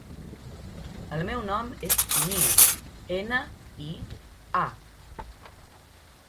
El meu nom és Nia: ena, i, a.